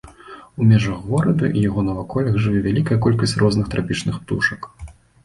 У межах горада і яго наваколлях жыве вялікая колькасць розных трапічных птушак.